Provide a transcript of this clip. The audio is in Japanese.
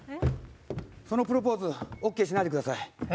そのプロポーズＯＫしないでください！え！？